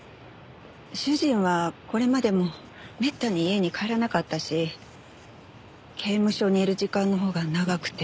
主人はこれまでもめったに家に帰らなかったし刑務所にいる時間のほうが長くて。